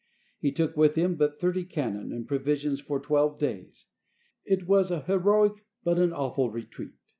He took with him but thirty cannon and provisions for twelve days. It was a heroic but an awful retreat.